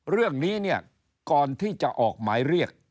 เรื่องนี้เนี่ยก่อนที่จะออกหมายเรียก